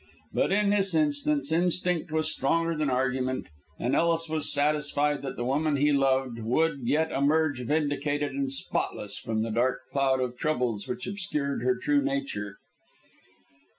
But in this instance instinct was stronger than argument, and Ellis was satisfied that the woman he loved would yet emerge vindicated and spotless from the dark cloud of troubles which obscured her true nature.